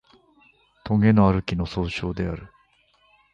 とげのある木の総称である